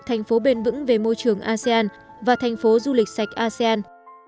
thành phố bền vững về môi trường asean và thành phố du lịch sạch asean